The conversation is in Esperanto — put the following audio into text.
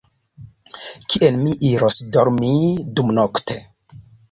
Kien mi iros dormi dumnokte?